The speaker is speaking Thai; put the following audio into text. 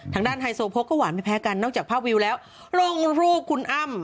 ไฮโซโพกก็หวานไม่แพ้กันนอกจากภาพวิวแล้วลงรูปคุณอ้ำ